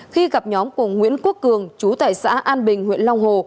khi gặp nhóm của nguyễn quốc cường chú tại xã an bình huyện long hồ